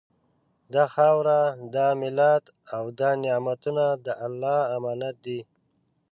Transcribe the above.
دا خاوره، دا ملت او دا نعمتونه د الله امانت دي